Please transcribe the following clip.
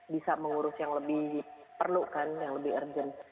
bisa mengurus yang lebih perlu kan yang lebih urgent